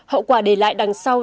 hậu quả để lại đằng sau